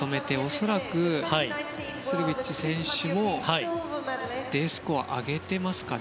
恐らくスルビッチ選手もＤスコアを上げていますかね。